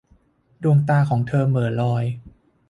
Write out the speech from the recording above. ดวงตาของเธอเหม่อลอย